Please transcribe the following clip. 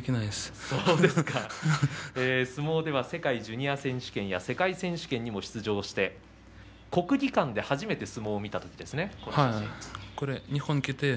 相撲では世界選手権や世界ジュニア選手権に出場して国技館で初めて相撲を見た時の写真ですね。